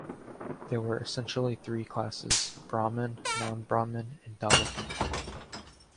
There were essentially three classes: Brahmin, non-Brahmin and Dalit.